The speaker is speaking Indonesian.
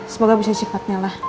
semoga bisa cepatnya lah